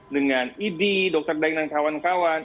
dengan idi dokter daing dan kawan kawan